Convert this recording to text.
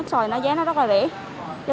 xoài giá nó rất là rẻ